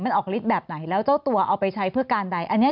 มันออกฤทธิ์แบบไหนแล้วเจ้าตัวเอาไปใช้เพื่อการใดอันนี้